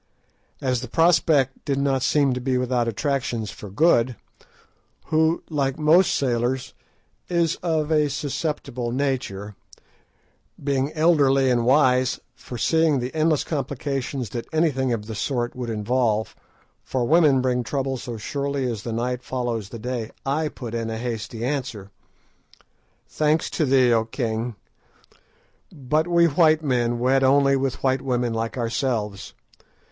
As the prospect did not seem to be without attractions for Good, who, like most sailors, is of a susceptible nature,—being elderly and wise, foreseeing the endless complications that anything of the sort would involve, for women bring trouble so surely as the night follows the day, I put in a hasty answer— "Thanks to thee, O king, but we white men wed only with white women like ourselves.